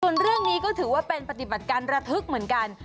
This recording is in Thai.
ส่วนเรื่องนี้ก็ถือว่าเป็นปฏิบัติการระทึกเหมือนกัน